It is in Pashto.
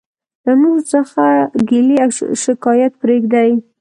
له نورو څخه ګيلي او او شکايت پريږدٸ.